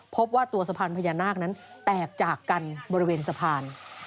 พบว่าตัวสะพานพญานาคนั้นแตกจากกันบริเวณสะพาน